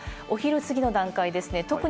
こちら、お昼過ぎの段階ですね。